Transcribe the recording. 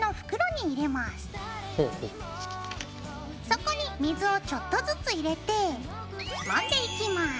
そこに水をちょっとずつ入れてもんでいきます。